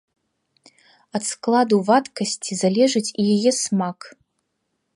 Ад складу вадкасці залежыць і яе смак.